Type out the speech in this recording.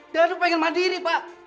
danu pengen mandiri pak